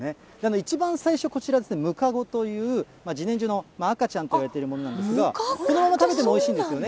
一番最初、こちらむかごという、じねんじょの赤ちゃんといわれてるものなんですが、このまま食べてもおいしいんですよね。